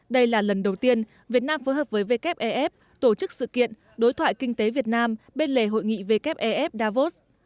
đây là lần đầu tiên việt nam phối hợp với vkf ef tổ chức sự kiện đối thoại kinh tế việt nam bên lề hội nghị vkf ef davos